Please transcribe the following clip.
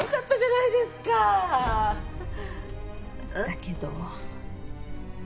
だけど。